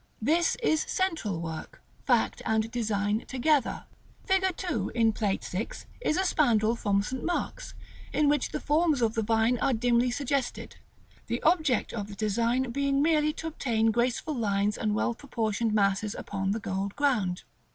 This is central work; fact and design together. Fig. 2 in Plate VI. is a spandril from St. Mark's, in which the forms of the vine are dimly suggested, the object of the design being merely to obtain graceful lines and well proportioned masses upon the gold ground.